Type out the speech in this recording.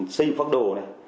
xây dựng phác đồ